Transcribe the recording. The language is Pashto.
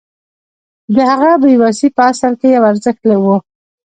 د هغه بې وسي په اصل کې یو ارزښت و